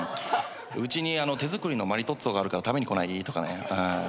うちに手作りのマリトッツォがあるから食べに来ない？とかね。